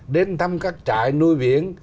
đến thăm các trại nuôi biển